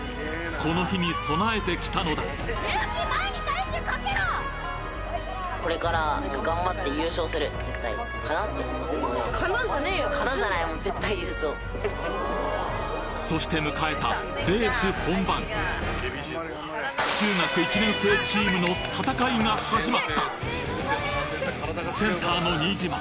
この日に備えてきたのだそしてむかえたレース本番中学１年生チームの戦いが始まったセンターの新島。